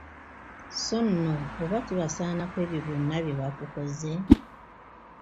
So nno oba kibasaana ku ebyo byonna bye bakukoze!